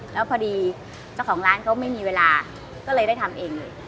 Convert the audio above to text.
แล้วพอดีเจ้าของร้านเขาไม่มีเวลาก็เลยได้ทำเองเลย